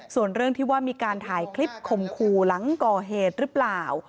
ส่วนเรื่องที่ว่ามีการถ่ายคลิปข่มขู่หลังก่อเหตุหรือเปล่า